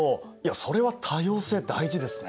それは多様性大事ですね。